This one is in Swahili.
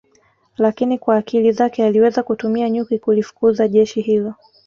lakini kwa akili zake aliweza kutumia nyuki kulifukuza jeshi hilo